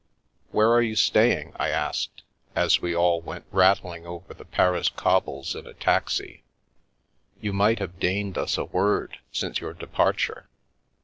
"Where are you staying?" I asked, as we all went rattling over the Paris cobbles in a taxi. "You might have deigned us a word since your departure."